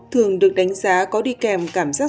thường được đánh giá có đi kèm cảm giác